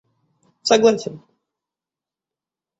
согласен